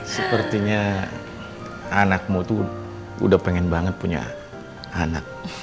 sepertinya anakmu tuh udah pengen banget punya anak